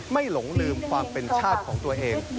หลงลืมความเป็นชาติของตัวเอง